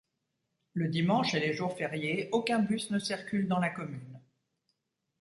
Le dimanche et les jours fériés, aucun bus ne circule dans la commune.